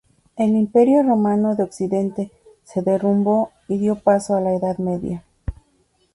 El Imperio romano de Occidente se derrumbó y dio paso a la Edad Media.